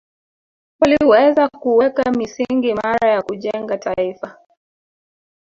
Waliweza kuweka misingi imara ya kujenga taifa